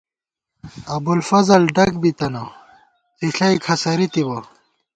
ابُوافضل ڈگ بِتَنہ ، څِݪَئ کھسَرِی تِبہ